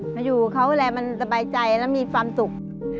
มาอยู่เขาเวลามันสบายใจแล้วมีความสุข